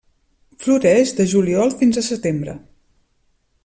Floreix de juliol fins a setembre.